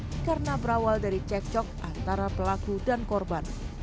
bahaya karena berawal dari cek cok antara pelaku dan korban